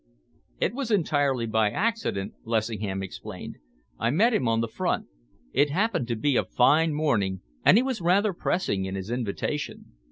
"It was entirely by accident," Lessingham explained. "I met him on the front. It happened to be a fine morning, and he was rather pressing in his invitation."